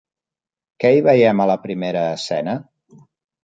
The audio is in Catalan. Què hi veiem a la primera escena?